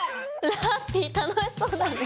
ラッピィ楽しそうだねえ！